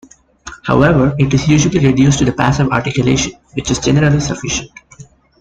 However, it is usually reduced to the passive articulation, which is generally sufficient.